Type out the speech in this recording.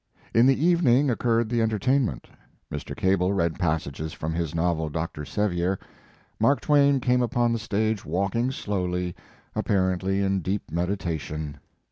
In the evening occurred the entertainment. Mr. Cable read passages from his novel "Dr. Sevier." Mark Twain came upon the stage walking slowly, apparently in deep meditation.